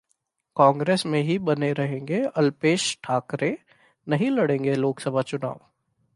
कांग्रेस में ही बने रहेंगे अल्पेश ठाकोर, नहीं लड़ेंगे लोकसभा चुनाव